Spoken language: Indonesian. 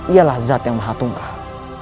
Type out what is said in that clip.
ialah zat yang maha tunggal